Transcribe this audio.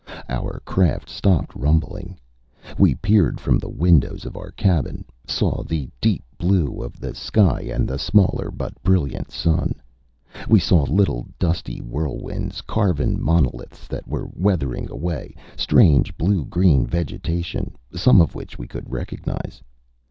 Our craft stopped rumbling. We peered from the windows of our cabin, saw the deep blue of the sky and the smaller but brilliant Sun. We saw little dusty whirlwinds, carven monoliths that were weathering away, strange blue green vegetation, some of which we could recognize.